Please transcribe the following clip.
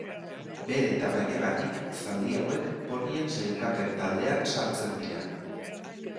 Bere tamainagatik zaldi hauek ponien sailkapen taldean sartzen dira.